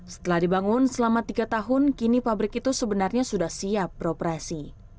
setelah dibangun selama tiga tahun kini pabrik itu sebenarnya sudah siap beroperasi